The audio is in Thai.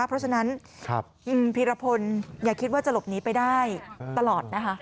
เพราะฉะนั้นคุณพีรพลอย่าคิดว่าจะหลบหนีไปได้ตลอดนะคะ